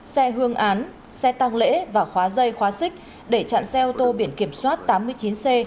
xe hương án xe tăng lễ và khóa dây khóa xích để chặn xe ô tô biển kiểm soát tám mươi chín c hai mươi tám nghìn tám trăm bốn mươi sáu